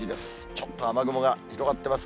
ちょっと雨雲が広がってます。